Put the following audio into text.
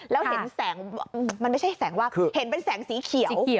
แล้วเห็นแสงมันไม่ใช่แสงว่าคือเห็นเป็นแสงสีเขียว